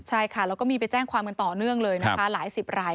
ใช่ค่ะแล้วก็มีไปแจ้งความกันต่อเนื่องเลยนะคะหลายสิบราย